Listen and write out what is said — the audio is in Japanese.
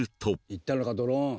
行ったのかドローン。